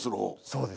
そうです。